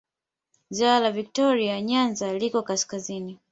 Ziwa la Viktoria Nyanza liko kaskazini.